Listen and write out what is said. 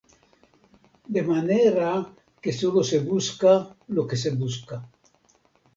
De manera que sólo se busca lo que se busca.